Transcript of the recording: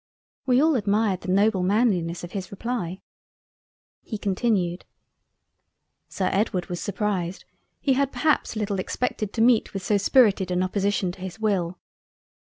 We all admired the noble Manliness of his reply. He continued. "Sir Edward was surprised; he had perhaps little expected to meet with so spirited an opposition to his will.